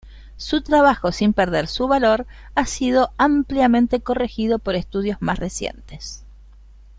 Su trabajo, sin perder su valor, ha sido ampliamente corregido por estudios más recientes.